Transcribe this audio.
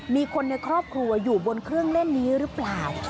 มีคนในครอบครัวอยู่บนเครื่องเล่นนี้หรือเปล่า